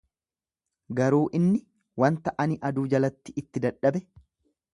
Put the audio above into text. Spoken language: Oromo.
Garuu inni wanta ani aduu jalatti itti dadhabe